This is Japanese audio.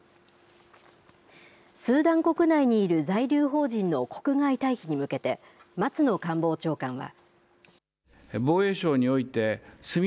スーダン国内にいる在留邦人の国外退避に向けて松野官房長官は。